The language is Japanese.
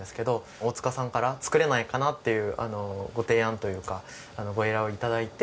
大塚さんから「作れないかな？」っていうご提案というかご依頼を頂いて。